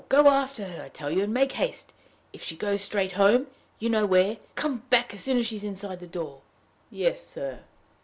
Go after her, I tell you; and make haste. If she goes straight home you know where come back as soon as she's inside the door." "Yes, sir."